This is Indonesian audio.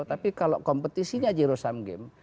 tapi kalau kompetisinya zero sum game